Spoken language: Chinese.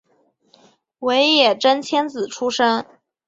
尾野真千子出身。